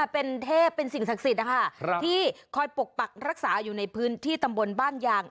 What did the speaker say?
เป็นเทพเป็นสิ่งศักดิ์สิทธิ์นะคะที่คอยปกปักรักษาอยู่ในพื้นที่ตำบลบ้านยาง